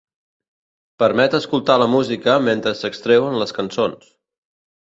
Permet escoltar la música mentre s'extreuen les cançons.